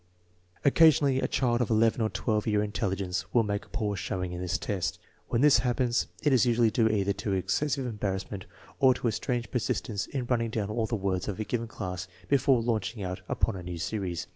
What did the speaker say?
Occasionally a child of 11 or 12 year intelligence will make a poor showing in this test. When this happens it is usually due either to excessive embarrassment or to a strange persistence in running down all the words of a given class before launching out upon a new series.